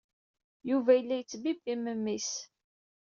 Yuba yella yettbibbi memmi-s.